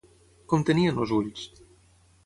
Com tenien els ulls?